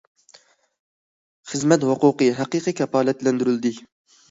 خىزمەت ھوقۇقى ھەقىقىي كاپالەتلەندۈرۈلدى.